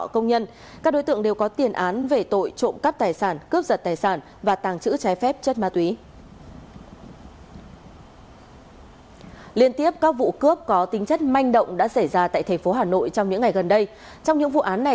công tác điều tra cũng gặp phải một số những khó khăn